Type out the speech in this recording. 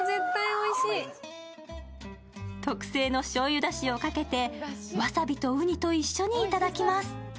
特製のしょうゆだしをかけてわさびとうにと一緒に頂きます。